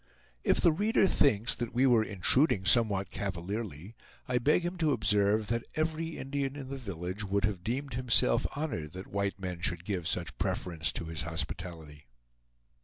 If the reader thinks that we were intruding somewhat cavalierly, I beg him to observe that every Indian in the village would have deemed himself honored that white men should give such preference to his hospitality.